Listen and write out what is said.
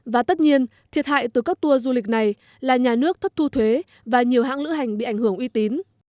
và tất nhiên thiệt hại từ các tour du lịch này là nhà nước thất thu thuế và nhiều hãng lữ hành bị ảnh hưởng uy tín